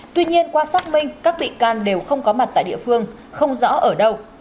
tuy nhiên qua xác minh các bị can đều không có mặt tại địa phương không rõ ở đâu